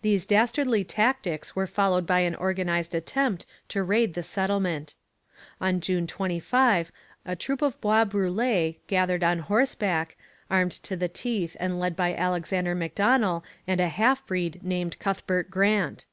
These dastardly tactics were followed by an organized attempt to raid the settlement. On June 25 a troop of Bois Brûlés gathered on horseback, armed to the teeth and led by Alexander Macdonell and a half breed named Cuthbert Grant.